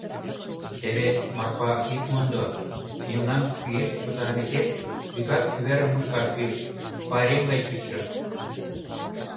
— Теве, Марпа, ит мондо: мелнам кӱэшт пытарымекет, вигак кӱварым мушкаш пиж, пайрем гай чучшо.